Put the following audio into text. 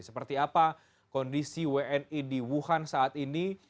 seperti apa kondisi wni di wuhan saat ini